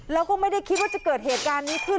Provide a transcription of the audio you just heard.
แล้วก็ไม่ได้คิดว่าจะเกิดเหตุการณ์นี้ขึ้น